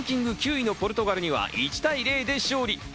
ランキング９位のポルトガルには１対０で勝利。